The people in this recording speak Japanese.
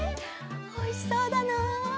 おいしそうだな。